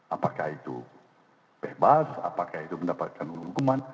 apakah itu bebas apakah itu mendapatkan hukuman